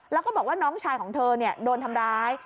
แล้วก็บอกว่าน้องชายของเธอโดนทำร้าย